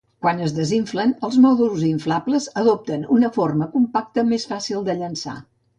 Quan es desinflen, els mòduls inflables adopten una forma compacta "més fàcil de llançar".